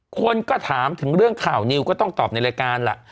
คนก็ถามถึงเรื่องข่าวนิวก็ต้องตอบในรายการล่ะ